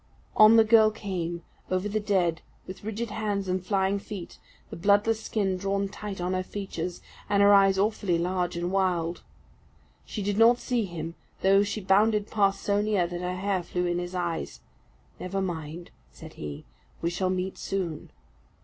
On the girl came, over the dead, with rigid hands and flying feet, the bloodless skin drawn tight on her features, and her eyes awfully large and wild. She did not see him though she bounded past so near that her hair flew in his eyes. "Never mind!" said he, "we shall meet soon."